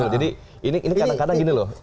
jadi ini kadang kadang gini loh